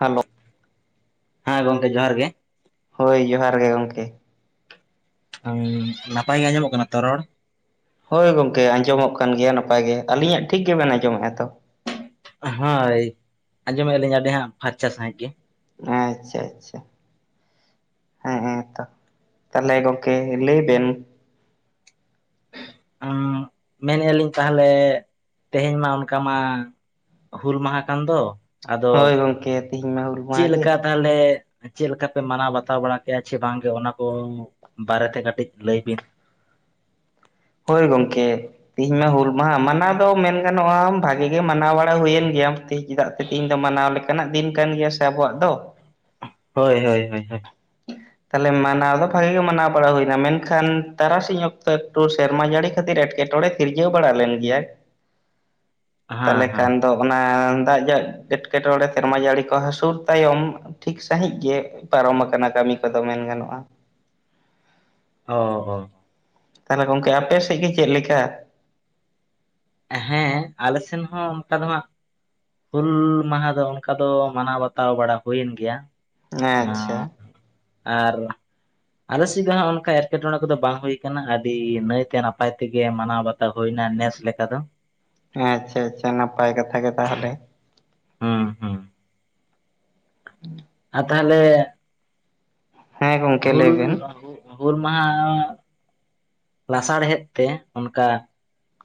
Hello ᱦᱮᱸ ᱜᱚᱝᱠᱮ ᱡᱚᱦᱟᱨ ᱜᱮ ᱦᱳᱭ ᱡᱚᱦᱟᱨ ᱜᱮ ᱜᱚᱢᱠᱮ ᱦᱩᱸ ᱱᱟᱯᱟᱭ ᱜᱮ ᱟᱸᱡᱚᱢᱚᱜ ᱠᱟᱱᱟ ᱛᱚ ᱨᱚᱲ ᱦᱳᱭ ᱜᱚᱢᱠᱮ ᱟᱸᱡᱚᱢᱚᱜ ᱠᱟᱱ ᱜᱮᱭᱟ ᱱᱟᱯᱟᱭ ᱜᱮ ᱟᱹᱞᱤᱧᱟᱜ ᱴᱷᱤᱠ ᱜᱮᱵᱮᱱ ᱟᱸᱡᱚᱢᱮᱫᱼᱟ ᱛᱚ ᱦᱳᱭ ᱟᱸᱡᱚᱢᱮᱫᱼᱟ ᱞᱤᱧ ᱟᱹᱰᱤ ᱦᱟᱸᱜ ᱯᱷᱟᱨᱪᱟ ᱥᱟᱹᱦᱤᱡ ᱜᱮ ᱟᱪᱷᱟ ᱟᱪᱷᱟ ᱦᱮᱸ ᱦᱮᱸ ᱛᱚ ᱛᱟᱦᱚᱞᱮ ᱜᱚᱝᱠᱮ ᱞᱟᱹᱭ ᱵᱮᱱ ᱢᱮᱱᱮᱫᱼᱟ ᱞᱤᱧ ᱛᱟᱦᱚᱞᱮ ᱛᱮᱦᱮᱧ ᱢᱟ ᱚᱱᱠᱟ ᱢᱟ ᱦᱩᱞ ᱢᱟᱦᱟ ᱠᱟᱱ ᱫᱚ ᱟᱫᱚ ᱦᱳᱭ ᱜᱚᱝᱠᱮ ᱛᱤᱦᱤᱧ ᱢᱟ ᱦᱩᱞ ᱪᱮᱫ ᱢᱟᱦᱟ ᱜᱮ ᱞᱮᱠᱟ ᱛᱟᱦᱚᱞᱮ ᱪᱮᱫ ᱞᱮᱠᱟ ᱯᱮ ᱢᱟᱱᱟᱣ ᱵᱟᱛᱟᱣ ᱵᱟᱲᱟ ᱠᱮᱜᱼᱟ ᱥᱮ ᱵᱟᱝᱜᱮ ᱚᱱᱟ ᱠᱚ ᱵᱟᱨᱮᱛᱮ ᱠᱟᱹᱴᱤᱡ ᱞᱟᱹᱭ ᱵᱤᱱ ᱦᱳᱭ ᱜᱚᱝ ᱠᱮᱻ ᱛᱤᱦᱤᱧ ᱢᱟ ᱦᱩᱞ ᱢᱟᱦᱟ ᱢᱟᱱᱟᱣ ᱫᱚ ᱢᱮᱱ ᱜᱟᱱᱚᱜᱼᱟ ᱵᱷᱟᱜᱮ ᱜᱮ ᱢᱟᱱᱟᱣ ᱵᱟᱲᱟ ᱦᱳᱭ ᱮᱱ ᱜᱮᱭᱟ ᱛᱮᱦᱮᱧ ᱫᱟᱜ ᱛᱮ ᱛᱮᱦᱤᱧ ᱫᱚ ᱢᱟᱱᱟᱣ ᱞᱮᱠᱟᱱᱟᱜ ᱫᱤᱱ ᱠᱟᱱ ᱜᱮᱭᱟ ᱥᱮ ᱟᱵᱚᱣᱟᱜ ᱫᱚ ᱦᱳᱭ ᱦᱳᱭ ᱦᱳᱭ ᱦᱳᱭ ᱛᱟᱦᱚᱞᱮ ᱢᱟᱱᱟᱣ ᱫᱚ ᱵᱷᱟᱜᱮ ᱜᱮ ᱛᱟᱞᱦᱮ ᱢᱟᱱᱟᱣ ᱫᱚ ᱵᱷᱟᱜᱮ ᱜᱮ ᱦᱩᱭᱱᱟ ᱢᱮᱱᱠᱷᱟᱱ ᱛᱟᱨᱟᱥᱤᱧ ᱚᱠᱛᱚ ᱮᱠᱴᱩ ᱥᱮᱨᱢᱟ ᱡᱟᱹᱲᱤ ᱠᱷᱟᱹᱛᱤᱨ ᱮᱴᱠᱮ ᱴᱚᱬᱮ ᱥᱤᱨᱡᱟᱹᱣ ᱵᱟᱲᱟ ᱞᱮᱱ ᱜᱮᱭᱟ [inaudible] ᱦᱮᱸ ᱛᱟᱞᱦᱮ ᱦᱮᱸ ᱠᱷᱟᱱ ᱫᱚ ᱚᱱᱟ ᱫᱟᱜ ᱡᱟ ᱮᱴᱠᱮ ᱴᱚᱲᱮ ᱥᱮᱨᱢᱟ ᱡᱟᱹᱲᱤ ᱠᱚ ᱦᱟᱹᱥᱩᱨ ᱛᱟᱭᱚᱢ ᱴᱷᱤᱠ ᱥᱟᱺᱦᱤᱡ ᱜᱮ ᱯᱟᱨᱚᱢ ᱟᱠᱟᱱᱟ ᱠᱟᱹᱢᱤ ᱠᱚᱫᱚ ᱢᱮᱱ ᱜᱟᱱᱚᱜᱼᱟ ᱚᱻ ᱚ ᱛᱟᱦᱞᱮ ᱜᱚᱝᱠᱮ ᱟᱯᱮ ᱥᱮᱜ ᱜᱮ ᱪᱮᱫ ᱞᱮᱠᱟ? ᱦᱮᱸᱻ ᱟᱞᱮ ᱥᱮᱱ ᱦᱚᱸ ᱚᱱᱠᱟ ᱫᱚ ᱦᱟᱸᱜ ᱦᱩᱞ ᱢᱟᱦᱟ ᱫᱚ ᱚᱱᱠᱟ ᱫᱚ ᱢᱟᱱᱟᱣ ᱵᱟᱛᱟᱣ ᱵᱟᱲᱟ ᱦᱩᱭᱮᱱ ᱜᱮᱭᱟ ᱟᱸᱻᱪᱪᱷᱟ ᱟᱨ ᱟᱞᱮ ᱥᱤᱜ ᱫᱚ ᱚᱱᱠᱟ ᱮᱴᱠᱮᱴᱚᱬᱮ ᱠᱚᱫᱚ ᱵᱟᱝ ᱦᱩᱭ ᱠᱟᱱᱟ ᱟᱰᱤ ᱱᱟᱹᱭ ᱛᱮ ᱱᱟᱯᱟᱭ ᱛᱮᱜᱮ ᱢᱟᱱᱟᱣ ᱵᱟᱛ ᱦᱩᱭᱱᱟ ᱱᱮᱥ ᱞᱮᱠᱟ ᱫᱚ ᱦᱮᱸ ᱟᱪᱪᱷᱟ ᱟᱪᱪᱷᱟ ᱱᱟᱯᱟᱭ ᱠᱟᱛᱷᱟ ᱜᱮ ᱛᱟᱦᱞᱮ ᱦᱩᱸ ᱦᱩᱸ ᱦᱩᱸ ᱟᱨ ᱛᱟᱦᱞᱮ ᱦᱮᱸ ᱜᱚᱝᱠᱮ ᱦᱩᱞ ᱞᱟᱹᱭ ᱵᱮᱱ [unintelligible] ᱦᱩᱞ ᱢᱟᱦᱟ ᱞᱟᱥᱟᱲ ᱦᱮᱫ ᱛᱮ ᱚᱱᱠᱟ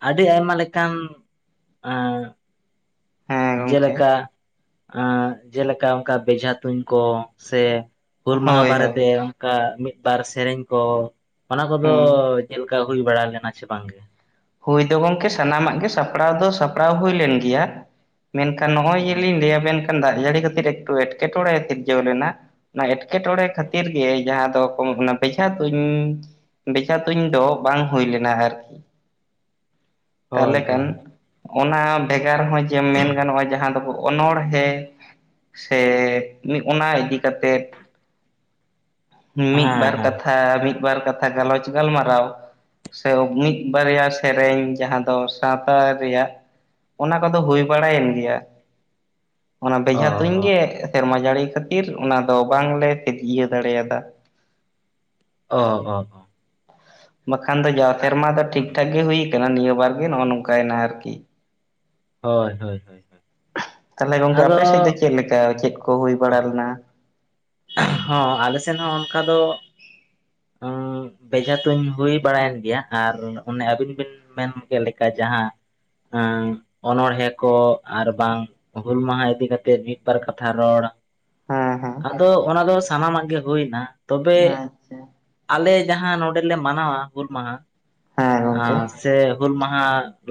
ᱟᱹᱰᱤ ᱟᱭᱢᱟ ᱞᱮᱠᱟᱱ ᱟᱸ ᱦᱮᱸ ᱜᱚᱝᱠᱮ ᱡᱮᱞᱮᱠᱟ ᱟᱸ ᱡᱮᱞᱮᱠᱟ ᱚᱱᱠᱟ ᱵᱮᱡᱷᱟ ᱛᱩᱧ ᱠᱚ ᱥᱮ ᱦᱩᱞ ᱢᱟᱦᱟ ᱦᱳᱭ ᱵᱟᱨᱮ ᱦᱳᱭ ᱛᱮ ᱢᱤᱫ ᱵᱟᱨ ᱥᱮᱨᱮᱧ ᱠᱚ ᱚᱱᱟ ᱠᱚᱫᱚ ᱦᱩᱸ ᱪᱮᱫᱠᱟ ᱦᱩᱭ ᱵᱟᱲᱟ ᱞᱮᱱᱟ ᱪᱷᱮ ᱵᱟᱝ-ᱜᱮ? ᱦᱩᱭ ᱫᱚ ᱜᱚᱝᱠᱮ ᱥᱟᱱᱟᱢᱟᱜ ᱜᱮ ᱥᱟᱯᱲᱟᱣ ᱫᱚ ᱥᱟᱯᱲᱟᱣ ᱦᱩᱭ ᱞᱮᱱ ᱜᱮᱭᱟ ᱢᱮᱱᱠᱷᱟᱱ ᱱᱚᱜᱼᱚᱭ ᱡᱮ ᱞᱤᱧ ᱞᱟ. ᱭ ᱟᱵᱮᱱ ᱠᱟᱱ ᱫᱟᱜᱽ ᱡᱟᱹᱲᱤ ᱠᱷᱟᱹᱛᱤᱨ ᱮᱠᱴᱩ ᱮᱴᱠᱮᱴᱚᱬᱮ ᱥᱤᱨᱡᱟᱹᱣ ᱞᱮᱱᱟ ᱚᱱᱟ ᱮᱴᱠᱮ-ᱴᱚᱬᱮ ᱠᱷᱟᱹᱛᱤᱨ ᱜᱮ ᱡᱟᱦᱟᱸ ᱫᱚ ᱠᱚ ᱚᱱᱟ ᱵᱮᱡᱷᱟ ᱛᱩᱧ ᱵᱮᱡᱷᱟ ᱛᱩᱧ ᱫᱚ ᱵᱟᱝ ᱦᱩᱭ ᱞᱮᱱᱟ ᱟᱨᱠᱤ ᱦᱳᱭ ᱛᱟᱦᱞᱮ ᱠᱷᱟᱱ ᱦᱳᱭ ᱚᱱᱟ ᱵᱷᱮᱜᱟᱨ ᱦᱚᱸ ᱡᱮ ᱢᱮᱱ ᱜᱟᱱᱚᱜᱼᱟ ᱡᱟᱦᱟᱸ ᱫᱚᱵᱚ ᱚᱱᱚᱲᱦᱮ ᱥᱮ ᱚᱱᱟ ᱤᱫᱤ ᱠᱟᱛᱮᱫ ᱢᱤᱫ ᱦᱮᱸ ᱵᱟᱨ ᱦᱮᱸ ᱠᱟᱛᱷᱟ ᱢᱤᱫ ᱵᱟᱨ ᱠᱟᱛᱷᱟ ᱜᱟᱞᱚᱪ ᱜᱟᱞᱢᱟᱨᱟᱣ ᱥᱮ ᱢᱤᱫ ᱵᱟᱨᱭᱟ ᱥᱮᱨᱮᱧ ᱡᱟᱦᱟᱸ ᱫᱚ ᱥᱟᱶᱛᱟ ᱨᱮᱭᱟᱜ ᱚᱱᱟ ᱠᱚᱫᱚ ᱦᱩᱭ ᱵᱟᱲᱟᱭᱮᱱ ᱜᱮᱭᱟ ᱾ ᱚᱱᱟ ᱚ ᱵᱮᱡᱷᱟ ᱛᱩᱧ ᱜᱮ ᱥᱮᱨᱢᱟ ᱡᱟᱹᱲᱤ ᱠᱷᱟᱹᱛᱤᱨ ᱚᱱᱟ ᱫᱚ ᱵᱟᱝᱞᱮ ᱥᱟ. ᱛ ᱤᱭᱟᱹᱣ ᱫᱟᱲᱮᱭᱟᱫᱟ ᱾ [inaudible] ᱚ ᱦᱚ ᱦᱚ ᱵᱟᱠᱷᱟᱱ ᱫᱚ ᱡᱟᱣ ᱥᱮᱨᱢᱟ ᱫᱚ ᱴᱷᱤᱠ ᱴᱷᱟᱠ ᱜᱮ ᱦᱩᱭ ᱟᱠᱟᱱᱟ, ᱱᱤᱭᱟᱹ ᱵᱟᱨ ᱜᱮ ᱱᱚᱜᱼᱚ ᱱᱚᱝᱠᱟᱭᱱᱟ ᱟᱨᱠᱤ ᱾ ᱦᱳᱭ ᱦᱳᱭ ᱦᱳᱭ ᱾ ᱛᱟᱦᱞᱮ ᱜᱚᱝᱠᱮ ᱟᱯᱮ ᱥᱮᱫ ᱫᱚ ᱪᱮᱫ ᱞᱮᱠᱟ ᱪᱮᱫ ᱠᱚ ᱦᱩᱭ ᱵᱟᱲᱟ ᱞᱮᱱᱟ? ᱦᱚᱸ ᱟᱞᱮ ᱥᱮᱱ ᱦᱚᱸ ᱚᱱᱠᱟ ᱫᱚ ᱦᱩᱸ ᱵᱮᱡᱷᱟ ᱛᱩᱧ ᱦᱩᱭ ᱵᱟᱲᱟᱭᱮᱱ ᱜᱮᱭᱟ ᱟᱨ ᱚᱱᱮ ᱟᱹᱵᱤᱱ ᱵᱤᱱ ᱢᱮᱱ ᱠᱮᱫ ᱞᱮᱠᱟ ᱡᱟᱦᱟᱸ ᱚᱱᱚᱲᱦᱮᱸ ᱠᱚ ᱟᱨ ᱵᱟᱝ ᱦᱩᱞ ᱢᱟᱦᱟ ᱤᱫᱤ ᱠᱟᱛᱮ ᱢᱤᱫᱵᱟᱨ ᱠᱟᱛᱷᱟ ᱨᱚᱲ, ᱦᱮᱸ ᱦᱮᱸ ᱟᱫᱚ ᱚᱱᱟ ᱫᱚ ᱥᱟᱱᱟᱢᱟᱜ ᱜᱮ ᱦᱩᱭ ᱮᱱᱟ ᱾ ᱟᱪᱪᱷᱟ ᱾ ᱟᱞᱮ ᱡᱟᱦᱟᱸ ᱱᱚᱰᱮᱞᱮ ᱢᱟᱱᱟᱣᱟ ᱦᱩᱞ ᱢᱟᱦᱟ, ᱦᱮᱸ ᱜᱚᱝᱠᱮ ᱥᱮ ᱦᱩᱞ ᱢᱟᱦᱟ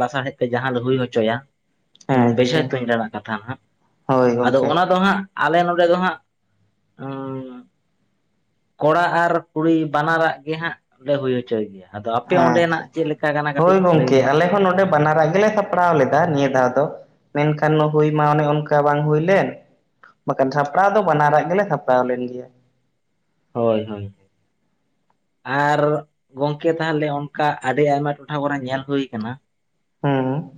ᱞᱟᱥᱟᱲᱦᱮᱫ ᱛᱮ ᱡᱟᱦᱟᱸ ᱞᱮ ᱦᱩᱭ ᱦᱚᱪᱚᱭᱟ ᱦᱩᱸ ᱵᱮᱡᱷᱟ ᱟᱪᱪᱷᱟ ᱛᱩᱧ ᱨᱮᱱᱟᱜ ᱠᱟᱛᱷᱟ ᱦᱟᱸᱜ ᱦᱳᱭ ᱟᱫᱚ ᱜᱚᱝᱠᱮ ᱚᱱᱟ ᱫᱚ ᱦᱟᱸᱜ ᱟᱞᱮ ᱱᱚᱰᱮ ᱫᱚ ᱦᱟᱸᱜ ᱠᱚᱲᱟ ᱟᱨ ᱠᱩᱲᱤ ᱵᱟᱱᱟᱨᱟᱜ ᱜᱮ ᱦᱟᱸᱜ ᱞᱮ ᱦᱩᱭ ᱦᱚᱪᱚᱭ ᱜᱮᱭᱟ ᱾ ᱟᱫᱚ ᱟᱯᱮ ᱚᱸᱰᱮ ᱱᱟᱜ ᱟᱪᱪᱷᱟ ᱪᱮᱫ ᱞᱮᱠᱟ ᱠᱟᱱᱟ ᱦᱳᱭ ᱠᱟᱹᱴᱤᱡ ᱜᱚᱝᱠᱮ ᱞᱟᱹᱭᱵᱤᱱ? ᱟᱞᱮ ᱦᱚᱸ ᱱᱚᱰᱮ ᱵᱟᱱᱟᱨᱟᱜ ᱜᱮᱞᱮ ᱥᱟᱯᱲᱟᱣ ᱞᱮᱫᱟ ᱱᱤᱭᱟᱹ ᱫᱷᱟᱹᱣ ᱫᱚ ᱾ ᱢᱮᱱᱠᱷᱟᱱ ᱦᱩᱭ ᱢᱟ ᱚᱱᱮ ᱚᱱᱠᱟ ᱵᱟᱝ ᱦᱩᱭᱞᱮᱱ ᱾ ᱵᱟᱠᱷᱟᱱ ᱥᱟᱯᱲᱟᱣ ᱫᱚ ᱵᱟᱱᱟᱨᱟᱜ ᱜᱮᱞᱮ ᱥᱟᱯᱲᱟᱣ ᱞᱮᱱ ᱜᱮᱭᱟ ᱾ ᱦᱳᱭ ᱦᱳᱭ ᱾ ᱟᱨ ᱜᱚᱝᱠᱮ ᱛᱟᱦᱚᱞᱮ ᱚᱱᱠᱟ ᱟᱹᱰᱤ ᱟᱭᱢᱟ ᱴᱚᱴᱷᱟ ᱠᱚᱨᱮ ᱧᱮᱞ ᱦᱩᱭ ᱟᱠᱟᱱᱟ, ᱦᱩᱸ᱾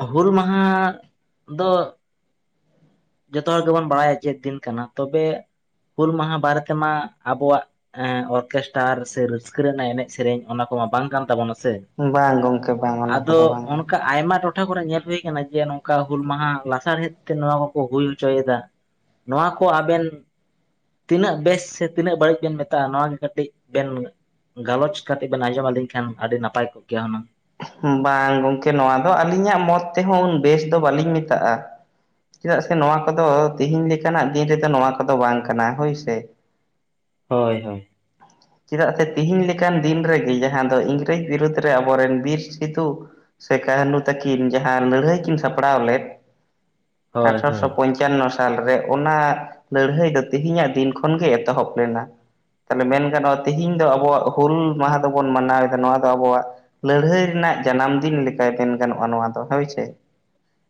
ᱮ ᱦᱩᱞ ᱢᱟᱦᱟ ᱫᱚ ᱡᱚᱛᱚ ᱦᱚᱲ ᱜᱮᱵᱚᱱ ᱵᱟᱲᱟᱭᱟ ᱪᱮᱫ ᱫᱤᱱ ᱠᱟᱱᱟ ᱾ ᱛᱚᱵᱮ ᱦᱩᱞ ᱢᱟᱦᱟ ᱵᱟᱨᱮ ᱛᱮᱢᱟ ᱟᱵᱚᱣᱟᱜ ᱚᱨᱠᱮᱥᱴᱟᱨ ᱥᱮ ᱨᱟᱹᱥᱠᱟᱹ ᱨᱮᱱᱟᱜ ᱮᱱᱮᱡ ᱥᱮᱨᱮᱧ ᱚᱱᱟ ᱠᱚᱢᱟ ᱵᱟᱝ ᱠᱟᱱ ᱛᱟᱵᱚᱱᱟ ᱥᱮ, ᱵᱟᱝ ᱜᱚᱝᱠᱮ ᱵᱟᱝ ᱚᱱᱟ ᱟᱫᱚ ᱠᱚᱫᱚ ᱵᱟᱝ ᱜᱮ ᱚᱱᱠᱟ ᱟᱭᱢᱟ ᱴᱚᱴᱷᱟ ᱴᱚᱴᱷᱟ ᱠᱚᱨᱮ ᱧᱮᱞ ᱦᱩᱭ ᱟᱠᱟᱱᱟ ᱡᱮ, ᱱᱚᱝᱠᱟ ᱦᱩᱞ ᱢᱟᱦᱟ ᱞᱟᱥᱟᱲᱦᱮᱫ ᱛᱮ ᱱᱚᱣᱟ ᱠᱚ ᱠᱚ ᱦᱩᱭ ᱦᱚᱪᱚᱭᱮᱫᱟ ᱾ ᱱᱚᱣᱟ ᱠᱚ ᱟᱵᱮᱱ ᱛᱤᱱᱟᱹᱜ ᱵᱮᱥ ᱥᱮ ᱛᱤᱱᱟᱹᱜ ᱵᱟᱹᱲᱤᱡ ᱵᱮᱱ ᱢᱮᱛᱟᱜᱼᱟ? ᱱᱚᱣᱟ ᱜᱮ ᱠᱟᱹᱴᱤᱡ ᱵᱮᱱ ᱜᱟᱞᱚᱪ ᱠᱟᱛᱮ ᱵᱮᱱ ᱟᱸᱡᱚᱢ ᱟᱹᱞᱤᱧ ᱠᱷᱟᱱ ᱟᱹᱰᱤ ᱱᱟᱯᱟᱭ ᱠᱚᱜ ᱠᱮᱭᱟ ᱦᱩᱱᱟᱹᱝ᱾ ᱵᱟᱝ ᱜᱚᱝᱠᱮ ᱱᱚᱣᱟ ᱫᱚ ᱟᱹᱞᱤᱧᱟᱜ ᱢᱚᱛ ᱛᱮᱦᱚᱸ ᱩᱱ ᱵᱮᱥ ᱫᱚ ᱵᱟᱟᱹᱞᱤᱧ ᱢᱮᱛᱟᱜᱼᱟ ᱾ ᱪᱮᱫᱟᱜ ᱥᱮ ᱱᱚᱣᱟ ᱠᱚᱫᱚ ᱛᱮᱦᱮᱧ ᱞᱮᱠᱟᱱᱟᱜ ᱫᱤᱱ ᱨᱮᱫᱚ ᱱᱚᱣᱟ ᱠᱚᱫᱚ ᱵᱟᱝ ᱠᱟᱱᱟ ᱾ ᱦᱳᱭᱥᱮ ᱾ ᱦᱳᱭ ᱦᱳᱭ ᱾ ᱪᱮᱫᱟᱜ ᱥᱮ ᱛᱤᱦᱮᱧ ᱞᱮᱠᱟᱱ ᱫᱤᱱ ᱨᱮᱜᱮ ᱡᱟᱦᱟᱸ ᱫᱚ ᱤᱝᱨᱮᱡᱽ ᱵᱤᱨᱩᱫᱽ ᱨᱮ ᱟᱵᱚᱨᱮᱱ ᱵᱤᱨ ᱥᱤᱛᱩ ᱥᱮ ᱠᱟᱹᱱᱩ ᱛᱟᱹᱠᱤᱱ ᱡᱟᱦᱟᱸ ᱞᱟᱹᱲᱦᱟᱹᱭ ᱠᱤᱱ ᱥᱟᱯᱲᱟᱣ ᱞᱮᱫ ᱦᱳᱭ ᱟᱴᱟᱥᱚ ᱦᱳᱭ ᱯᱚᱭ ᱯᱚᱧᱪᱟᱱᱱᱚ ᱥᱟᱞᱨᱮ ᱚᱱᱟ ᱞᱟᱹᱲᱦᱟᱹᱭ ᱫᱚ ᱛᱮᱦᱤᱧᱟᱜ ᱫᱤᱱ ᱠᱷᱚᱱᱜᱮ ᱮᱛᱚᱦᱚᱵ ᱞᱮᱱᱟ ᱾ ᱛᱟᱦᱚᱞᱮ ᱢᱮᱱ ᱜᱟᱱᱚᱜᱼᱟ ᱛᱮᱦᱮᱧ ᱫᱚ ᱟᱵᱚᱣᱟᱜ ᱦᱩᱞ ᱢᱟᱦᱟ ᱫᱚᱵᱚᱱ ᱢᱟᱱᱟᱣᱮᱫᱟ ᱱᱚᱣᱟ ᱫᱚ ᱟᱵᱚᱣᱟᱜ ᱞᱟᱹᱲᱦᱟᱹᱭ ᱨᱮᱱᱟᱜ ᱡᱟᱱᱟᱢ ᱫᱤᱱ ᱞᱮᱠᱟᱭ ᱢᱮᱱ ᱜᱟᱱᱚᱜᱼᱟ ᱱᱚᱣᱟ ᱫᱚ ᱦᱳᱭ ᱥᱮ ᱾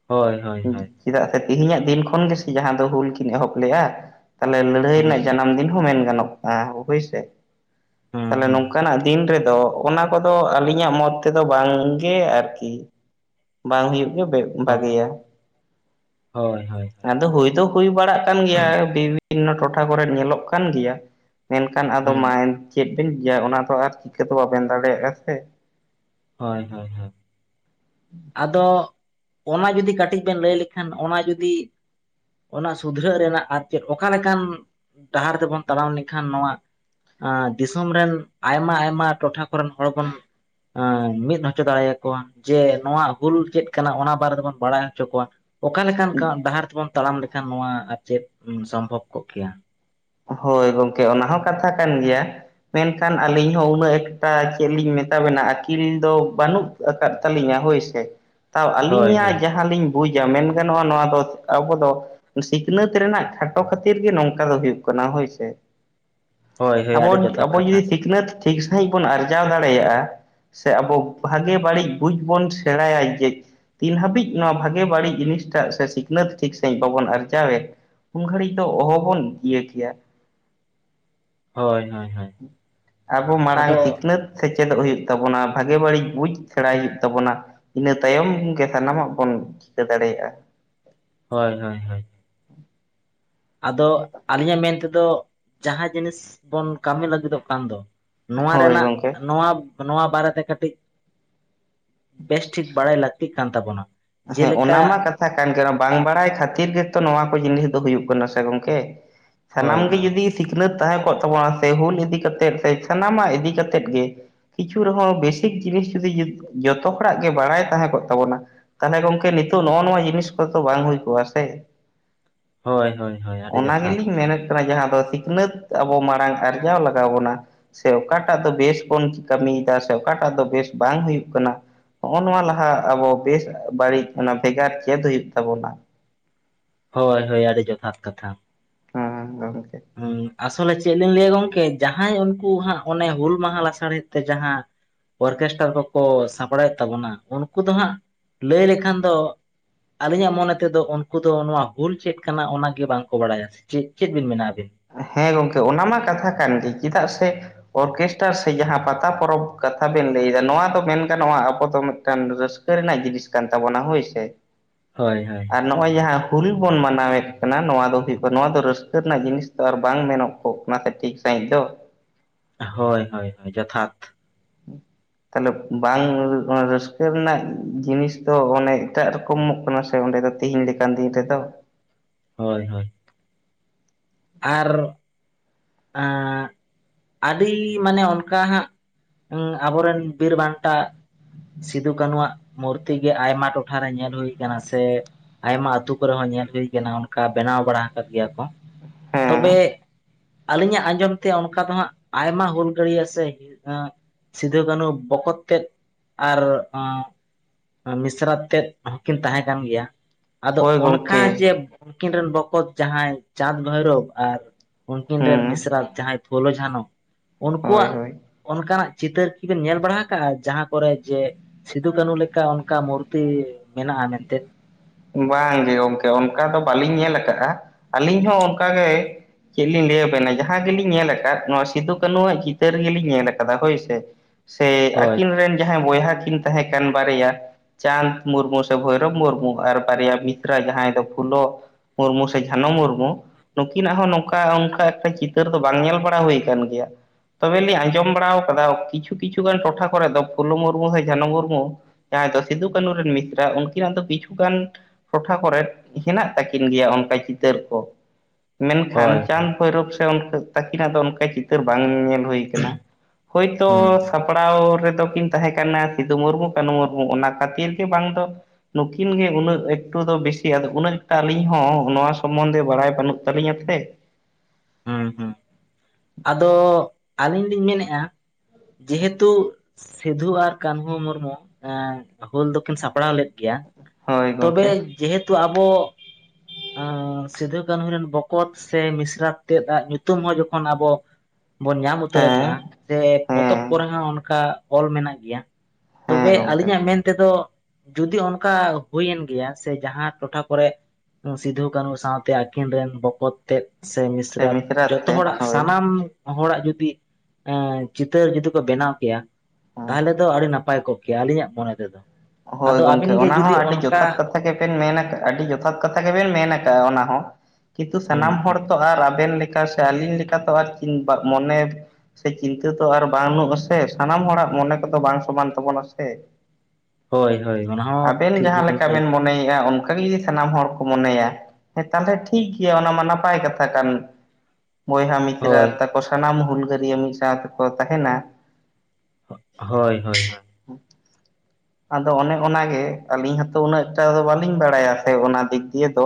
ᱦᱳᱭ ᱦᱳᱭ ᱦᱳᱭ ᱾ ᱪᱮᱫᱟᱜ ᱥᱮ ᱛᱮᱦᱤᱧᱟᱜ ᱫᱤᱱ ᱠᱷᱚᱱ ᱜᱮ ᱡᱟᱦᱟᱸ ᱫᱚ ᱦᱩᱞ ᱠᱤᱱ ᱮᱦᱚᱵ ᱞᱮᱜᱼᱟ ᱾ ᱛᱟᱦᱚᱞᱮ ᱞᱟᱹᱲᱦᱟᱹᱭ ᱦᱩᱸ ᱨᱮᱱᱟᱜ ᱡᱟᱱᱟᱢ ᱫᱤᱱ ᱦᱚᱸ ᱢᱮᱱ ᱜᱟᱱᱚᱜᱼᱟ ᱾ ᱦᱮᱸ, ᱦᱭᱭᱥᱮ, ᱦᱩᱸ ᱛᱟᱦᱚᱞᱮ ᱦᱩᱸ ᱱᱚᱝᱠᱟᱱᱟᱜ ᱫᱤᱱ ᱨᱮᱫᱚ ᱚᱱᱟ ᱠᱚᱫᱚ ᱟᱹᱞᱤᱧᱟᱜ ᱢᱚᱛ ᱛᱮᱫᱚ ᱵᱟᱝ ᱜᱮ ᱟᱨᱠᱤ ᱵᱟᱝ ᱦᱩᱭᱩᱜ ᱜᱮ ᱵᱮ ᱦᱳᱭ ᱵᱷᱟᱹᱜᱤᱭᱟ ᱦᱳᱭ ᱦᱳᱭ ᱟᱫᱚ ᱦᱩᱭ ᱫᱚ ᱦᱩᱭ ᱵᱟᱲᱟᱜ ᱠᱟᱱ ᱜᱮᱭᱟ ᱵᱤᱵᱷᱤᱱᱚ ᱴᱚᱴᱷᱟ ᱠᱚᱨᱮ ᱧᱮᱞᱚᱜ ᱠᱟᱱ ᱜᱮᱭᱟ ᱢᱮᱱᱠᱷᱟᱱ ᱟᱫᱚ ᱦᱩᱸ ᱢᱟ ᱪᱮᱫ ᱵᱮᱱ ᱤᱭᱟ ᱚᱱᱟ ᱫᱚ ᱟᱨ ᱪᱤᱠᱟᱹᱛᱮ ᱵᱟᱵᱮᱱ ᱫᱟᱲᱮᱭᱟᱜᱼᱟ ᱥᱮ ᱦᱳᱭ ᱦᱳᱭ ᱟᱫᱚ ᱚᱱᱟ ᱡᱩᱫᱤ ᱠᱟᱹᱴᱤᱡ ᱵᱮᱱ ᱞᱟᱹᱭ ᱞᱮᱠᱷᱟᱱ ᱚᱱᱟ ᱡᱩᱫᱤ ᱚᱱᱟ ᱥᱩᱫᱷᱨᱟᱹᱜᱱ ᱨᱮᱱᱟᱜ ᱟᱨ ᱪᱮᱫ ᱚᱠᱟ ᱞᱮᱠᱟᱱ ᱰᱟᱦᱟᱨ ᱛᱮᱵᱚᱱ ᱛᱟᱲᱟᱢ ᱞᱮᱠᱷᱟᱱ ᱱᱚᱣᱟ ᱫᱤᱥᱚᱢ ᱨᱮᱱ ᱟᱭᱢᱟ ᱟᱭᱢᱟ ᱴᱚᱴᱷᱟ ᱠᱚᱨᱮᱱ ᱦᱚᱲ ᱵᱚᱱ ᱢᱤᱫ ᱦᱚᱪᱚ ᱫᱟᱲᱮᱭᱟ ᱠᱚᱣᱟ ᱡᱮ ᱱᱚᱣᱟ ᱦᱩᱞ ᱪᱮᱫ ᱠᱟᱱᱟ ᱚᱱᱟ ᱵᱟᱨᱮ ᱛᱮᱵᱚᱱ ᱵᱟᱲᱟᱭ ᱦᱚᱪᱚ ᱠᱚᱣᱟ ᱚᱠᱟ ᱞᱮᱠᱟᱱ ᱰᱟᱦᱟᱨ ᱛᱮᱵᱚᱱ ᱛᱟᱲᱟᱢ ᱞᱮᱠᱷᱟᱱ ᱱᱚᱣᱟ ᱟᱨ ᱪᱮᱫ ᱥᱚᱢᱵᱷᱚᱵ ᱠᱚᱜ ᱠᱮᱭᱟ ᱦᱳᱭ ᱜᱚᱝᱠᱮ ᱚᱱᱟ ᱦᱚᱸ ᱠᱟᱛᱷᱟ ᱠᱟᱱ ᱜᱮᱭᱟ ᱢᱮᱱᱠᱷᱟᱱ ᱟᱹᱞᱤᱧ ᱦᱚᱸ ᱩᱱᱟᱹᱜ ᱮᱠᱴᱟ ᱪᱮᱫ ᱞᱤᱧ ᱢᱮᱛᱟ ᱵᱮᱱᱟ ᱟᱹᱠᱤᱞ ᱫᱚ ᱵᱟᱹᱱᱩᱜ ᱟᱠᱟᱫ ᱛᱟᱹᱞᱤᱧᱟ ᱦᱳᱭᱥᱮ ᱛᱟᱣ ᱦᱳᱭ ᱦᱳᱭ ᱟᱹᱞᱤᱧᱟᱜ ᱡᱟᱦᱟᱸᱞᱤᱧ ᱵᱩᱡᱟ ᱢᱮᱱ ᱜᱟᱱᱚᱜᱼᱟ ᱱᱚᱣᱟ ᱫᱚ ᱟᱵᱚ ᱫᱚ ᱥᱤᱠᱷᱱᱟᱹᱛ ᱨᱮᱱᱟᱜ ᱠᱷᱟᱴᱚ ᱠᱷᱟᱹᱛᱤᱨ ᱜᱮ ᱱᱚᱝᱠᱟ ᱫᱚ ᱦᱩᱭᱩᱜ ᱾ ᱠᱟᱱᱟ ᱦᱳᱭ ᱥᱮ ᱦᱳᱭ ᱾ ᱦᱳᱭ ᱟᱵᱚ ᱟᱹᱰᱤ ᱡᱚᱛᱷᱟᱛ ᱟᱵᱚ ᱠᱟᱛᱷᱟ ᱡᱩᱫᱤ ᱥᱤᱠᱷᱱᱟᱹᱛ ᱴᱷᱤᱠ ᱥᱟᱺᱦᱤᱡ ᱵᱚᱱ ᱟᱨᱡᱟᱣ ᱫᱟᱲᱮᱭᱟᱜᱼᱟ, ᱥᱮ ᱟᱵᱚ ᱵᱷᱟᱜᱮ ᱵᱟᱹᱲᱤᱡ ᱵᱩᱡᱽ ᱵᱚᱱ ᱥᱮᱬᱟᱭᱟ ᱡᱮ ᱛᱤᱱ ᱦᱟᱹᱵᱤᱡ ᱱᱚᱣᱟ ᱵᱷᱟᱜᱮ ᱵᱟᱹᱲᱤᱡ ᱡᱤᱱᱤᱥᱴᱟᱜ ᱥᱮ ᱥᱤᱠᱷᱱᱟᱹᱛ ᱴᱷᱤᱠ ᱥᱟᱺᱦᱤᱡ ᱵᱟᱵᱚᱱ ᱟᱨᱡᱟᱣᱮᱫ ᱩᱱ ᱜᱷᱟᱹᱲᱤᱡ ᱫᱚ ᱚᱦᱚ ᱵᱚᱱ ᱤᱭᱟᱹ ᱠᱮᱭᱟ ᱦᱳᱭ ᱦᱳᱭ ᱦᱳᱭ ᱟᱵᱚ ᱢᱟᱲᱟᱝ ᱟᱫᱚ ᱥᱤᱠᱷᱱᱟᱹᱛ ᱥᱮᱪᱮᱫᱚᱜ ᱦᱩᱭᱩᱜ ᱛᱟᱵᱚᱱᱟ ᱵᱷᱟᱜᱮ ᱵᱟᱹᱲᱤᱡ ᱵᱩᱡᱽ ᱥᱮᱬᱟᱭ ᱦᱩᱭᱩᱜ ᱛᱟᱵᱚᱱᱟ ᱤᱱᱟᱹ ᱛᱟᱭᱚᱢ ᱜᱮ ᱥᱟᱱᱟᱢᱟᱜ ᱵᱚᱱ ᱴᱷᱤᱠᱟᱹ ᱫᱟᱲᱮᱭᱟᱜ-ᱟ ᱦᱳᱭ ᱦᱳᱭ ᱦᱳᱭ ᱟᱫᱚ ᱟᱹᱞᱤᱧᱟᱜ ᱢᱮᱱᱛᱮᱫᱚ ᱡᱟᱦᱟᱸ ᱡᱤᱱᱤᱥ ᱵᱚᱱ ᱠᱟᱹᱢᱤ ᱞᱟᱹᱜᱤᱫᱚᱜ ᱠᱟᱱ ᱫᱚ ᱱᱚᱣᱟ ᱦᱳᱭ ᱨᱮᱱᱟᱜ ᱜᱚᱝᱠᱮ ᱱᱚᱣᱟ ᱱᱚᱣᱟ ᱵᱟᱨᱮᱛᱮ ᱠᱟᱹᱴᱤᱡ ᱵᱮᱥ ᱴᱷᱤᱠ ᱵᱟᱲᱟᱭ ᱞᱟᱹᱠᱛᱤᱜ ᱠᱟᱱ ᱛᱟᱵᱚᱱᱟ ᱦᱮᱸ ᱡᱮᱞᱮᱠᱟ ᱚᱱᱟ ᱢᱟ ᱠᱟᱛᱷᱟ ᱠᱟᱱ ᱜᱮᱭᱟ ᱵᱟᱝ ᱵᱟᱲᱟᱭ ᱠᱷᱟᱹᱛᱤᱨ ᱜᱮᱛᱚ ᱱᱚᱣᱟ ᱠᱚ ᱡᱤᱱᱤᱥ ᱫᱚ ᱦᱩᱭᱩᱜ ᱠᱟᱱᱟ ᱥᱮ ᱜᱚᱝᱠᱮ ᱥᱟᱱᱟᱢ ᱦᱳᱭ ᱜᱮ ᱦᱳᱭ ᱡᱩᱫᱤ ᱥᱤᱠᱷᱱᱟᱹᱛ ᱛᱟᱦᱮᱸ ᱠᱚᱜ ᱛᱟᱵᱚᱱᱟ ᱥᱮ ᱦᱩᱞ ᱤᱫᱤ ᱠᱟᱛᱮᱫ ᱥᱮ ᱥᱟᱱᱟᱢᱟᱜ ᱤᱫᱤ ᱠᱟᱛᱮᱫ ᱜᱮ ᱠᱤᱪᱷᱩ ᱨᱮᱦᱚᱸ ᱵᱮᱥᱤᱠ ᱡᱤᱱᱤᱥ ᱡᱩᱫᱤ ᱡᱚᱛᱚ ᱦᱚᱲᱟᱜ ᱜᱮ ᱵᱟᱲᱟᱭ ᱛᱟᱦᱮᱸ ᱠᱚᱜ ᱛᱟᱵᱚᱱᱟ ᱛᱟᱦᱚᱞᱮ ᱜᱚᱢᱠᱮ ᱱᱤᱛᱚᱜ ᱱᱚᱜ-ᱚᱭ ᱱᱚᱣᱟ ᱡᱤᱱᱤᱥ ᱠᱚᱫᱚ ᱵᱟᱝ ᱦᱩᱭ ᱠᱚᱜ-ᱟ ᱥᱮ ᱦᱳᱭ ᱦᱳᱭ ᱦᱳᱭ ᱟᱹᱰᱤ ᱚᱱᱟ ᱡᱚᱛᱷᱟᱛ ᱜᱮᱞᱤᱧ ᱢᱮᱱᱮᱫ ᱠᱟᱱᱟ ᱡᱟᱦᱟᱸ ᱫᱚ ᱥᱤᱠᱷᱱᱟᱹᱛ ᱟᱵᱚ ᱢᱟᱲᱟᱝ ᱟᱨᱡᱟᱣ ᱞᱟᱜᱟᱣ ᱵᱚᱱᱟ ᱥᱮ ᱚᱠᱟᱴᱟᱜ ᱫᱚ ᱵᱮᱥ ᱵᱚᱱ ᱠᱟᱹᱢᱤᱭᱮᱫᱟ ᱥᱮ ᱚᱠᱟᱴᱟᱜ ᱫᱚ ᱵᱮᱥ ᱵᱟᱝ ᱦᱩᱭᱩᱜ ᱠᱟᱱᱟ ᱦᱚᱸᱜ ᱱᱚᱣᱟ ᱞᱟᱦᱟ ᱟᱵᱚ ᱵᱮᱥ ᱵᱟᱹᱲᱤᱡ ᱚᱱᱟ ᱵᱷᱮᱜᱟᱨ ᱪᱮᱫ ᱦᱩᱭᱩᱜ ᱛᱟᱵᱚᱱᱟ ᱦᱳᱭ ᱦᱳᱭ ᱟᱹᱰᱤ ᱡᱚᱛᱷᱟᱛ ᱠᱟᱛᱷᱟ ᱦᱮᱸ ᱜᱚᱝᱠᱮ ᱦᱮᱸ ᱟᱥᱚᱞᱮ ᱪᱮᱫ ᱞᱤᱧ ᱞᱟᱹᱭᱟ ᱜᱚᱝᱠᱮ ᱡᱟᱦᱟᱸᱭ ᱩᱱᱠᱩ ᱦᱟᱸᱜ ᱚᱱᱮ ᱦᱩᱞ ᱢᱟᱦᱟ ᱞᱟᱥᱟᱲᱦᱮᱫ ᱛᱮ ᱡᱟᱦᱟᱸ ᱚᱨᱠᱮᱥᱴᱟᱨ ᱠᱚᱠᱚ ᱥᱟᱯᱲᱟᱣᱮᱫ ᱛᱟᱵᱚᱱᱟ ᱩᱱᱠᱩ ᱫᱚ ᱦᱟᱸᱜ ᱞᱟᱹᱭ ᱞᱮᱠᱷᱟᱱ ᱫᱚ ᱟᱞᱤᱧᱟᱜ ᱢᱚᱱᱮ ᱛᱮᱫᱚ ᱩᱱᱠᱩ ᱫᱚ ᱱᱚᱣᱟ ᱦᱩᱞ ᱪᱮᱫ ᱠᱟᱱᱟ ᱚᱱᱟᱜᱮ ᱵᱟᱝᱠᱚ ᱵᱟᱲᱟᱭᱟ ᱥᱮ ᱪᱮᱫ ᱪᱮᱫ ᱵᱤᱱ ᱢᱮᱱᱟ ᱟᱹᱵᱤᱱ ᱦᱮᱸ ᱜᱚᱝᱠᱮ ᱚᱱᱟ ᱢᱟ ᱠᱟᱛᱷᱟ ᱠᱟᱱ ᱜᱮ ᱪᱮᱫᱟᱜ ᱥᱮ ᱚᱨᱠᱮᱥᱴᱟᱨ ᱥᱮ ᱡᱟᱦᱟᱸ ᱯᱟᱛᱟ ᱯᱚᱨᱚᱵᱽ ᱠᱟᱛᱷᱟ ᱵᱮᱱ ᱞᱟᱹᱭᱮᱫᱟ ᱱᱚᱣᱟ ᱫᱚ ᱢᱮᱱ ᱜᱟᱱᱚᱜ-ᱟ ᱟᱵᱚ ᱫᱚ ᱢᱤᱫᱴᱟᱝ ᱨᱟᱹᱥ ᱠᱟᱹ ᱨᱮᱱᱟᱜ ᱡᱤᱱᱤᱥ ᱠᱟᱱ ᱛᱟᱵᱚᱱᱟ ᱦᱳᱭ ᱥᱮ ᱦᱳᱭ ᱦᱳᱭ ᱱᱚᱜ-ᱚᱭ ᱡᱟᱦᱟᱸ ᱦᱩᱞ ᱵᱚᱱ ᱢᱟᱱᱟᱣᱮᱫ ᱠᱟᱱᱟ ᱱᱚᱣᱟ ᱫᱚ ᱦᱩᱭᱩᱜ ᱠᱟᱱᱟ ᱱᱚᱣᱟ ᱫᱚ ᱨᱟᱹᱥᱠᱟᱹ ᱨᱮᱱᱟᱜ ᱡᱤᱱᱤᱥ ᱛᱚ ᱟᱨ ᱵᱟᱝ ᱢᱮᱱᱚ ᱚᱜ ᱠᱟᱱᱟ ᱥᱮ ᱴᱷᱤᱠ ᱥᱟᱺᱦᱤᱡ ᱫᱚ ᱦᱳᱭ ᱦᱳᱭ ᱦᱳᱭ ᱡᱚᱛᱷᱟᱛ ᱛᱟᱦᱚᱞᱮ ᱵᱟᱝ ᱨᱟᱹᱥᱠᱟᱹ ᱨᱮᱱᱟᱜ ᱡᱤᱱᱤᱥ ᱫᱚ ᱚᱱᱮ ᱮᱴᱟᱜ ᱨᱚᱠᱚᱢᱚᱜ ᱠᱟᱱᱟ ᱥᱮ ᱚᱸᱰᱮ ᱫᱚ ᱛᱤᱦᱤᱧ ᱞᱮᱠᱟᱱ ᱫᱤᱱ ᱨᱮᱫᱚ ᱦᱳᱭ ᱦᱳᱭ ᱟᱨ ᱟᱸᱜ ᱟᱹᱰᱤ ᱢᱟᱱᱮ ᱚᱱᱠᱟ ᱦᱟᱸᱜ ᱟᱵᱚᱨᱮᱱ ᱵᱤᱨ ᱵᱟᱱᱴᱟ ᱥᱤᱫᱩ ᱠᱟᱹᱱᱩᱣᱟᱜ ᱢᱩᱨᱛᱤ ᱜᱮ ᱟᱭᱢᱟ ᱴᱚᱴᱷᱟᱨᱮ ᱧᱮᱞ ᱦᱩᱭ ᱟᱠᱟᱱᱟ ᱥᱮ᱾ ᱟᱭᱢᱟ ᱟᱹᱛᱩ ᱠᱚᱨᱮ ᱦᱚᱸ ᱧᱮᱞ ᱦᱩᱭ ᱟᱠᱟᱱᱟ ᱚᱱᱠᱟ ᱵᱮᱱᱟᱣ ᱵᱟᱲᱟ ᱟᱠᱟᱫ ᱜᱮᱭᱟ ᱠᱚ ᱛᱚᱵᱮ ᱦᱮᱸ ᱟᱞᱤᱧᱟᱜ ᱟᱸᱡᱚᱢ ᱛᱮ ᱚᱱᱠᱟ ᱫᱚ ᱦᱟᱸᱜ ᱟᱭᱢᱟ ᱦᱩᱞᱜᱟᱹᱲᱤᱭᱟᱹ ᱥᱮ ᱥᱤᱫᱷᱩ ᱠᱟᱹᱱᱦᱩ ᱵᱚᱠᱚᱛ ᱛᱮᱫ ᱟᱨ ᱟᱸᱻ ᱢᱤᱥᱨᱟᱛ ᱛᱮᱫ ᱦᱚᱸᱠᱤᱱ ᱛᱟᱦᱮᱸ ᱠᱟᱱ ᱜᱮᱭᱟ ᱟᱫᱚ ᱦᱳᱭ ᱚᱱᱠᱟ ᱜᱚᱝᱠᱮ ᱡᱮ ᱩᱱᱠᱤᱱ ᱨᱮᱱ ᱵᱚᱠᱚᱛ ᱡᱟᱦᱟᱸᱭ ᱪᱟᱸᱫᱽ ᱵᱷᱟᱭᱨᱚᱵᱽ ᱟᱨ ᱩᱱᱠᱤᱱ ᱨᱮᱱ ᱦᱮᱸ ᱢᱤᱥᱨᱟ ᱡᱟᱦᱟᱸᱭ ᱯᱷᱩᱞᱚ ᱡᱷᱟᱱᱚ ᱦᱳᱭ ᱩᱱᱠᱩᱣᱟᱜ ᱦᱳᱭ ᱚᱱᱠᱟ ᱱᱟᱜ ᱪᱤᱛᱟᱹᱨ ᱠᱤ ᱧᱮᱞ ᱵᱟᱲᱟ ᱟᱠᱟᱜᱼᱟ ᱡᱟᱦᱟᱸ ᱠᱚᱨᱮ ᱡᱮ᱾ ᱥᱤᱫᱩ ᱠᱟᱹᱱᱩ ᱞᱮᱠᱟ ᱚᱱᱠᱟ ᱢᱩᱨᱛᱤ ᱢᱮᱱᱟᱜᱼᱟ ᱢᱮᱱ ᱛᱮ᱾ ᱵᱟᱝᱜᱮ ᱜᱚᱝᱠᱮ ᱚᱱᱠᱟ ᱫᱚ ᱵᱟᱞᱤᱧ ᱧᱮᱞ ᱠᱟᱜᱼᱟ ᱟᱹᱞᱤᱧ ᱦᱚᱸ ᱚᱱᱠᱟᱜᱮ᱾ ᱪᱮᱫ ᱞᱤᱧ ᱞᱟᱹᱭ ᱟᱵᱮᱱᱟ ᱡᱟᱦᱟᱸ ᱜᱮᱞᱤᱧ ᱧᱮᱞ ᱟᱠᱟᱫ ᱱᱚᱣᱟ ᱥᱤᱫᱩ ᱠᱟᱹᱱᱩᱣᱟᱜ ᱪᱤᱛᱟᱹᱨ ᱜᱮᱞᱤᱧ ᱧᱮᱞ ᱟᱠᱟᱫᱟ ᱦᱳᱭ ᱥᱮ᱾ ᱥᱮ ᱦᱳᱭ ᱟᱠᱤᱱ ᱨᱮᱱ ᱡᱟᱦᱟᱸᱭ ᱵᱚᱭᱦᱟ ᱠᱤᱱ ᱛᱟᱦᱮᱸ ᱠᱟᱱ ᱵᱟᱨᱭᱟ ᱪᱟᱸᱫᱽ ᱢᱩᱨᱢᱩ ᱥᱮ ᱵᱷᱳᱭᱨᱚᱵᱽ ᱢᱩᱨᱢᱩ ᱟᱨ ᱵᱟᱨᱭᱟ ᱢᱤᱥᱨᱟ ᱡᱟᱦᱟᱸᱭ ᱫᱚ ᱯᱷᱩᱞᱚ ᱢᱩᱨᱢᱩ ᱥᱮ ᱡᱷᱟᱱᱚ ᱢᱩᱨᱢᱩ ᱱᱩᱠᱤᱱᱟᱜ ᱦᱚᱸ ᱱᱚᱝᱠᱟ ᱚᱱᱠᱟ ᱮᱠᱴᱟ ᱪᱤᱛᱟᱹᱨ ᱫᱚ ᱵᱟᱝ ᱧᱮᱞ ᱵᱟᱲᱟ ᱦᱩᱭ ᱟᱠᱟᱱ ᱜᱮᱭᱟ ᱛᱚᱵᱮ ᱞᱤᱧ ᱟᱸᱡᱚᱢ ᱵᱟᱲᱟ ᱟᱠᱟᱫᱟ ᱠᱤᱪᱷᱩ ᱠᱤᱪᱷᱩ ᱜᱟᱱ ᱴᱚᱴᱷᱟ ᱠᱚᱨᱮ ᱫᱚ ᱯᱷᱩᱞᱚ ᱢᱩᱨᱢᱩ ᱦᱚ ᱡᱷᱟᱱᱚ ᱢᱩᱨᱢᱩ᱾ ᱡᱟᱦᱟᱸᱭ ᱫᱚ ᱥᱤᱫᱩ ᱠᱟᱹᱱᱩ ᱨᱮᱱ ᱢᱤᱥᱨᱟ ᱩᱱᱠᱤ ᱱᱟᱜ ᱫᱚ ᱠᱤᱪᱷᱩ᱾ ᱠᱟᱸᱴᱷ ᱴᱚᱴᱷᱟ ᱠᱚᱨᱮ ᱦᱮᱱᱟᱜ ᱛᱟᱹᱠᱤᱱ ᱜᱮᱭᱟ ᱚᱱᱠᱟ ᱪᱤᱛᱟᱹᱨ ᱠᱚ ᱢᱮᱱᱠᱷᱟᱱ ᱦᱳᱭ ᱦᱳᱭ ᱪᱟᱸᱫᱽ ᱵᱷᱳᱭᱨᱚᱵ ᱥᱮ ᱩᱱᱠᱩ ᱛᱟᱠᱤᱱᱟᱜ ᱫᱚ ᱚᱱᱠᱟ ᱪᱤᱛᱟᱹᱨ ᱵᱟᱝ ᱧᱮᱞ᱾ ᱦᱩᱭ ᱟᱠᱟᱱᱟ ᱦᱳᱭᱛᱚ ᱦᱩᱸ ᱥᱟᱯᱲᱟᱣ ᱨᱮᱫᱚ ᱠᱤᱱ ᱛᱟᱦᱮᱸ ᱠᱟᱱᱟ ᱥᱤᱫᱩ ᱢᱩᱨᱢᱩ ᱠᱟᱹᱱᱩ ᱢᱩᱨᱢᱩ ᱚᱱᱟ ᱠᱷᱟᱹᱛᱤᱨ ᱜᱮ ᱵᱟᱝ ᱫᱚ᱾ ᱟᱠᱤᱱ ᱜᱮ ᱩᱱᱟᱹᱜ ᱮᱠᱴᱩ ᱫᱚ ᱵᱮᱥᱤ ᱟᱫᱚ ᱩᱱᱟᱹᱜ ᱴᱟᱜ ᱟᱞᱤᱧ ᱦᱚᱸ ᱱᱚᱣᱟ ᱥᱚᱢᱢᱚᱱᱫᱷᱮ ᱵᱟᱲᱟᱭ ᱵᱟᱱᱩᱜ ᱛᱟᱹᱞᱤᱧᱟ ᱥᱮ ᱦᱩᱸ ᱦᱩᱸ ᱟᱫᱚ ᱟᱹᱞᱤᱧ ᱞᱤᱧ ᱢᱮᱱᱮᱫᱼᱟ ᱡᱮᱦᱮᱛᱩ ᱥᱤᱫᱷᱩ ᱟᱨ ᱠᱟᱹᱱᱦᱩ ᱢᱩᱨᱢᱩ ᱮᱸ ᱦᱩᱞ ᱫᱚᱠᱤᱱ ᱥᱟᱯᱲᱟᱣ ᱞᱮᱫ ᱜᱮᱭᱟᱹ ᱾ ᱦᱳᱭ ᱛᱚᱵᱮ ᱜᱚᱝᱠᱮ ᱡᱮᱦᱮᱛᱩ ᱟᱵᱚ᱾ ᱟᱸᱻ ᱥᱤᱫᱷᱩ ᱠᱟᱹᱱᱦᱩ ᱨᱮᱱ ᱵᱚᱠᱚᱛ ᱥᱮ ᱢᱤᱥᱨᱟᱛ ᱛᱮᱫ ᱟᱜ ᱧᱩᱛᱩᱢ ᱦᱚᱸ ᱡᱚᱠᱷᱚᱱ ᱟᱵᱚ ᱵᱚᱱ ᱧᱟᱢ ᱩᱛᱟᱹᱨ ᱟᱠᱟᱜᱼᱟ ᱦᱮᱸ ᱥᱮ ᱯᱚᱛᱚᱵᱽ ᱦᱮᱸ ᱠᱚᱨᱮ ᱦᱚᱸ ᱚᱱᱠᱟ ᱚᱞ ᱢᱮᱱᱟᱜ ᱜᱮᱭᱟ ᱛᱚᱵᱮ ᱦᱮᱸ ᱜᱚᱝᱠᱮ ᱟᱹᱞᱤᱧᱟᱜ ᱢᱮᱱᱛᱮ᱾ ᱛᱮᱫᱚ ᱡᱩᱫᱤ ᱚᱱᱠᱟ ᱦᱩᱭᱮᱱ ᱜᱮᱭᱟ ᱥᱮ ᱡᱟᱦᱟᱸ ᱴᱚᱴᱷᱟ ᱠᱚᱨᱮ ᱥᱤᱫᱩ ᱠᱟᱹᱱᱦᱩ ᱥᱟᱶᱛᱮ ᱟᱹᱠᱤᱱ ᱨᱮᱱ ᱵᱚᱠᱚᱛ ᱛᱮᱫ ᱥᱮ ᱢᱤᱥᱨᱟᱛ ᱡᱚᱛᱚ ᱦᱚᱲᱟᱜ ᱥᱟᱱᱟᱢ ᱦᱚᱲᱟᱜ ᱡᱩᱫᱤ ᱮᱸ ᱪᱤᱛᱟᱹᱨ ᱡᱩᱫᱤ ᱠᱚ ᱵᱮᱱᱟᱣ ᱠᱮᱭᱟ ᱦᱮᱸ ᱛᱟᱦᱚᱞᱮ ᱫᱚ ᱟᱹᱰᱤ ᱱᱟᱯᱟᱭ ᱠᱚᱜ ᱠᱮᱭᱟ ᱟᱹᱞᱤᱧᱟᱜ ᱢᱚᱱᱮ ᱛᱮᱫᱚ ᱦᱳᱭ ᱟᱫᱚ ᱜᱚᱝᱠᱮ ᱟᱹᱵᱤᱱ ᱜᱮ ᱚᱱᱟ ᱡᱩᱫᱤ ᱦᱚᱸ ᱟᱹᱰᱤ ᱚᱱᱠᱟ ᱡᱚᱛᱷᱟᱛ ᱠᱟᱛᱷᱟ᱾ ᱡᱚᱛᱷᱟᱛ ᱜᱮᱵᱮᱱ ᱢᱮᱱ ᱟᱠᱟᱫᱼᱟ ᱟᱹᱰᱤ ᱡᱚᱛᱷᱟᱛ ᱠᱟᱛᱷᱟ ᱜᱮᱵᱮᱱ ᱢᱮᱱ ᱟᱠᱟᱫᱼᱟ ᱚᱱᱟ ᱦᱚᱸ᱾ ᱠᱤᱱᱛᱩ ᱦᱩᱸ ᱥᱟᱱᱟᱢ ᱦᱚᱲ ᱦᱩᱸ ᱛᱚ ᱟᱨ ᱟᱵᱮᱱ ᱞᱮᱠᱟ ᱥᱮ ᱟᱞᱤᱧ ᱞᱮᱠᱟ ᱛᱚ ᱟᱨ ᱢᱚᱱᱮ᱾ ᱥᱮ ᱪᱤᱱᱛᱟᱹ ᱛᱚ ᱟᱨ ᱵᱟᱱᱩᱜ ᱟᱥᱮ ᱥᱟᱱᱟᱢ ᱦᱚᱲᱟᱜ ᱢᱚᱱᱮ ᱠᱚᱫᱚ ᱵᱟᱝ ᱥᱚᱢᱟᱱ ᱛᱟᱵᱚᱱᱟ ᱥᱮ ᱦᱳᱭ ᱦᱳᱭ ᱚᱱᱟ ᱦᱚᱸ ᱟᱵᱮᱱ ᱴᱷᱤᱠ ᱡᱟᱦᱟᱸ ᱜᱮᱵᱮᱱ ᱞᱮᱠᱟ ᱵᱮᱱ ᱞᱟᱹᱭᱮᱫᱼᱟ ᱢᱚᱱᱮᱭᱮᱫᱼᱟ ᱚᱱᱠᱟ [unintelligible] ᱥᱟᱱᱟᱢ ᱦᱚᱲ ᱠᱚ ᱢᱚᱱᱮᱭᱟ ᱦᱮᱸ ᱛᱟᱦᱚᱞᱮ ᱴᱷᱤᱠ ᱜᱮᱭᱟ ᱚᱱᱟ ᱢᱟ ᱱᱟᱯᱟᱭ ᱠᱟᱛᱷᱟ ᱠᱟᱱ ᱵᱚᱭᱦᱟ ᱦᱳᱭ ᱢᱤᱥᱨᱟᱛ ᱛᱟᱠᱚ ᱥᱟᱱᱟᱢ ᱦᱩᱞᱜᱟᱹᱨᱤᱭᱟ ᱢᱤᱫᱥᱟᱶ ᱛᱮᱠᱚ ᱛᱟᱦᱮᱱᱟ᱾ ᱦᱳᱭ ᱦᱳᱭ ᱦᱳᱭ᱾ ᱟᱫᱚ ᱚᱱᱮ ᱚᱱᱟᱜᱮ ᱟᱹᱞᱤᱧ ᱦᱚᱸᱛᱚ ᱩᱱᱟᱹᱜ ᱮᱠᱴᱟ ᱫᱚ ᱵᱟᱹᱞᱤᱧ ᱵᱟᱲᱟᱭᱟ ᱥᱮ ᱚᱱᱟ ᱫᱤᱠ ᱫᱤᱭᱮ ᱫᱚ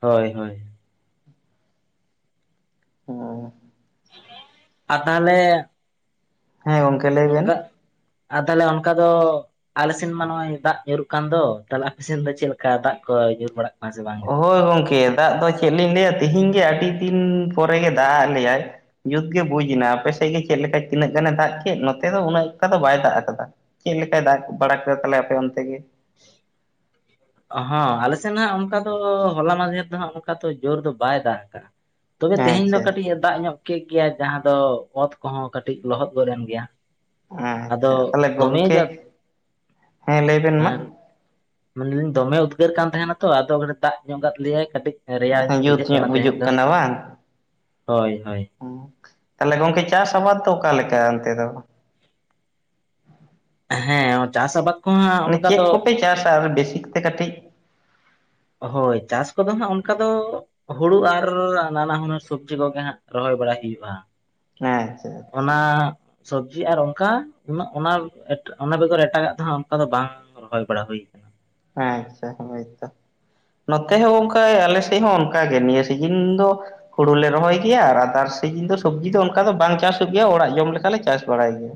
ᱦᱳᱭ ᱦᱳᱭ᱾ ᱦᱩᱸ ᱟᱨ ᱛᱟᱦᱟᱞᱮ ᱦᱮᱸ ᱜᱚᱝᱠ ᱚᱱᱠᱟ ᱟᱨ ᱛᱟᱦᱚᱞᱮ ᱚᱱᱠᱟ ᱫᱚ ᱟᱞᱮᱥᱮᱱ ᱢᱟ ᱱᱚᱜᱼᱚᱭ ᱫᱟᱜ ᱧᱩᱨᱩᱜ ᱠᱟᱱ ᱫᱚ ᱛᱟᱦᱚᱞᱮ ᱟᱯᱮᱥᱮᱱ ᱫᱚ ᱪᱮᱫ ᱞᱮᱠᱟ ᱫᱟᱜ ᱠᱚ ᱧᱩᱨ ᱵᱟᱲᱟᱜ ᱠᱟᱱᱟ ᱥᱮ ᱵᱟᱝ ᱜᱮ ᱳᱦᱳᱭ ᱜᱚᱝᱠᱮ ᱫᱟᱜ ᱫᱚ ᱪᱮᱫ ᱞᱤᱧ ᱞᱟᱹᱭᱟ ᱛᱤᱦᱤᱧ ᱜᱤ ᱟᱹᱰᱤ ᱫᱤᱱ ᱯᱚᱨᱮ ᱜᱮ ᱫᱟᱜ ᱟᱜ ᱞᱮᱭᱟᱭ᱾ ᱡᱩᱛ ᱜᱮ ᱵᱩᱡᱽ ᱱᱟ ᱟᱯᱮᱥᱮᱫ ᱜᱮ ᱪᱮᱫ ᱞᱮᱠᱟ ᱛᱤᱱᱟᱹᱜ ᱜᱟᱱᱮ ᱫᱟᱜ ᱠᱮᱫ ᱱᱚᱛᱮ ᱫᱚ ᱩᱱᱟᱹᱜ ᱚᱱᱠᱟ ᱫᱚ ᱵᱟᱭ ᱫᱟᱜ ᱟᱠᱟᱫᱟ᱾ ᱪᱮᱫ ᱞᱮᱠᱟᱭ ᱫᱟᱜ ᱵᱟᱲᱟ ᱠᱮᱫᱟ ᱛᱷᱟᱞᱮ ᱟᱯᱮ ᱚᱱᱛᱮ ᱜᱮ? ᱦᱚᱸ ᱟᱞᱮᱥᱮᱱ ᱦᱟᱸᱜ ᱚᱱᱠᱟ ᱫᱚ ᱦᱚᱞᱟ ᱢᱟᱫᱷᱮᱨ ᱫᱚ ᱦᱟᱸᱜ ᱚᱱᱠᱟ ᱫᱚ ᱡᱳᱨ ᱫᱚ ᱵᱟᱭ ᱫᱟᱜ ᱠᱟᱜᱼᱟ᱾ ᱛᱚᱵᱮ ᱛᱮᱦᱮᱧ ᱫᱚ ᱟᱪᱪᱷᱟ ᱠᱟᱹᱴᱤᱡ ᱮ ᱫᱟᱜ ᱧᱚᱜ ᱠᱮᱫ ᱜᱮᱭᱟ ᱡᱟᱦᱟᱸ ᱫᱚ ᱚᱛ ᱠᱚᱦᱚᱸ ᱠᱟᱹᱴᱤᱡ ᱞᱚᱦᱚᱫ ᱜᱚᱫ ᱮᱱ ᱜᱮᱭᱟ᱾ ᱟᱫᱚ ᱟᱪᱪᱷᱟ ᱛᱟᱦᱚᱞᱮ ᱫᱚᱢᱮ ᱜᱚᱝᱠᱮ ᱡᱟᱫ ᱦᱮᱸ ᱞᱟᱹᱭ ᱵᱮᱱ ᱢᱟ ᱟᱨ ᱢᱮᱱ ᱫᱟᱹᱞᱤᱧ ᱫᱚᱢᱮ ᱩᱫᱜᱟᱹᱨ ᱠᱟᱱ ᱛᱟᱦᱮᱸᱱᱟ ᱛᱚ ᱟᱫᱚ ᱫᱟᱜ ᱧᱚᱸᱜ ᱠᱟᱫ ᱞᱮᱭᱟᱭ ᱠᱟᱹᱴᱤᱡ᱾ ᱨᱮᱭᱟᱲ ᱧᱚᱸᱜ ᱡᱩᱛ ᱵᱩᱡᱷᱟᱹᱜ ᱧᱚᱜ ᱠᱟᱱᱟ ᱛᱮᱦᱮᱧ ᱵᱩᱡᱩᱜ ᱫᱚ, ᱠᱟᱱᱟ ᱦᱳᱭ ᱦᱳᱭ᱾ ᱚᱸᱠ, ᱛᱟᱦᱚᱞᱮ ᱜᱚᱝᱠᱮ ᱪᱟᱥ ᱟᱵᱟᱫ ᱫᱚ ᱚᱠᱟ ᱞᱮᱠᱟ ᱚᱱᱛᱮ ᱫᱚ? ᱦᱮᱸ ᱭᱚ ᱪᱟᱥ ᱟᱵᱟᱫ ᱠᱚᱦᱚᱸ ᱦᱟᱸᱜ ᱢᱟᱱᱮ ᱚᱱᱠᱟ ᱪᱮᱫ ᱫᱚ ᱠᱚᱯᱮ ᱪᱟᱥᱟ ᱵᱮᱥᱤᱠ ᱛᱮ ᱠᱟᱹᱴᱤᱡ? ᱦᱳᱭ ᱪᱟᱥ ᱠᱚᱫᱚ ᱦᱟᱸᱜ ᱚᱱᱠᱟ ᱫᱚ᱾ ᱦᱩᱲᱩ ᱟᱨ ᱱᱟᱱᱟ ᱦᱩᱱᱟᱹᱨ ᱥᱚᱵᱽᱡᱤ ᱠᱚᱜᱮ ᱦᱟᱸᱜ ᱨᱚᱦᱚᱭ ᱵᱟᱲᱟ ᱦᱩᱭᱩᱜᱼᱟᱹ ᱾ ᱟᱪᱪᱷᱟ ᱚᱱᱟ ᱟᱪᱪᱷᱟ ᱥᱚᱵᱽᱡᱤ ᱟᱨ ᱚᱝᱠᱟ ᱩᱱᱟᱹᱜ ᱚᱱᱟ ᱮᱴ ᱚᱱᱟ ᱵᱮᱜᱚᱨ ᱮᱴᱟᱜᱟᱜ ᱛᱮᱦᱚᱸ ᱚᱱᱠᱟ ᱫᱚ ᱵᱟᱝ ᱨᱚᱦᱚᱭ ᱵᱟᱲᱟ ᱦᱩᱭ ᱠᱟᱱᱟ ᱦᱮᱸ ᱟᱪᱪᱷᱟ ᱦᱚᱸᱜᱼᱚᱭ ᱛᱚ᱾ ᱱᱚᱛᱮ ᱦᱚᱸ ᱚᱱᱠᱟ ᱟᱞᱮ ᱥᱮᱫ ᱦᱚᱸ ᱚᱱᱠᱟ ᱜᱮ ᱱᱤᱭᱟᱹ ᱥᱤᱡᱤᱱ ᱫᱚ ᱦᱩᱲᱩ ᱞᱮ ᱨᱚᱦᱚᱭ ᱜᱮᱭᱟ ᱟᱨ ᱟᱫᱟᱨᱥ ᱥᱤᱡᱤᱱ ᱫᱚ ᱥᱚᱵᱽᱡᱤ ᱫᱚ ᱚᱱᱠᱟ ᱫᱚ ᱵᱟᱝ ᱪᱟᱥᱚᱜ ᱜᱮᱭᱟ ᱚᱲᱟᱜ ᱡᱚᱢ ᱞᱮᱠᱟᱞᱮ ᱪᱟᱥ ᱵᱟᱲᱟᱭ ᱜᱮᱭᱟ᱾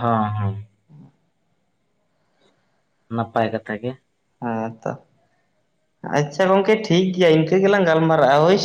ᱦᱚ ᱦᱩ᱾ ᱱᱟᱯᱟᱭ ᱠᱟᱛᱷᱟ ᱜᱮ᱾ ᱦᱮᱸ ᱛᱚ, ᱟᱪᱪᱷᱟ ᱜᱚᱝᱠᱮ ᱴᱷᱤᱠ ᱜᱮᱭᱟ ᱤᱱᱠᱟᱹ ᱜᱮᱞᱟᱝ ᱜᱟᱞᱢᱟᱨᱟᱜᱼᱟ ᱦᱳᱭᱥ